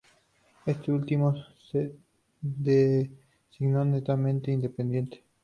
Este último de signo netamente independentista.